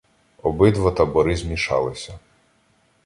Обидва табори змішалися.